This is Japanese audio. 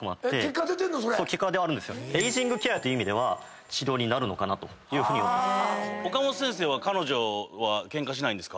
結果出てんの⁉エイジングケアという意味では治療になるのかなというふうに思います。